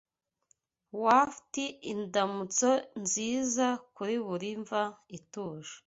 Waft indamutso nziza kuri buri mva ituje